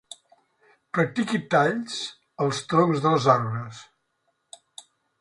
Practiqui talls als troncs dels arbres.